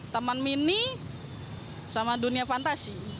taman mini sama dunia fantasi